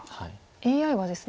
ＡＩはですね